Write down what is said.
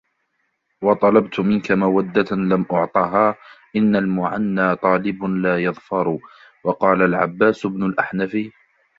وَطَلَبْت مِنْك مَوَدَّةً لَمْ أُعْطَهَا إنَّ الْمُعَنَّى طَالِبٌ لَا يَظْفَرُ وَقَالَ الْعَبَّاسُ بْنُ الْأَحْنَفِ